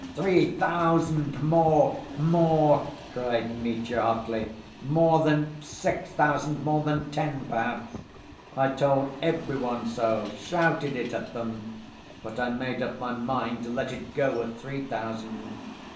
"Three thousand! More, more," cried Mitya hotly; "more than six thousand, more than ten, perhaps. I told every one so, shouted it at them. But I made up my mind to let it go at three thousand.